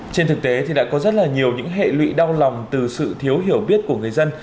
trên thực tế thì đã có rất là nhiều những hệ lụy đau lòng từ sự thiếu hiểu biết của người dân